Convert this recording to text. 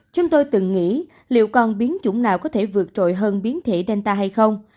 chúng tôi từng nghĩ liệu còn biến chủng nào có thể vượt trội hơn biến thể delta hay không